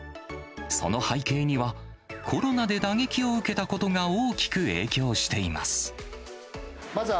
その背景には、コロナで打撃を受けたことが大きく影響しています。